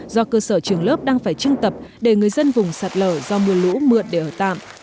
do cơ sở trường lớp đang phải trưng tập để người dân vùng sạt lở do mưa lũ mượn để ở tạm